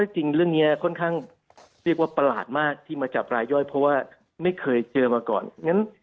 จริงเรื่องนี้ค่อนข้างเรียกว่าประหลาดมากที่มาจับรายย่อยเพราะว่าไม่เคยเจอมาก่อน